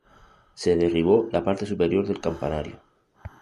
Se derribó la parte superior del campanario.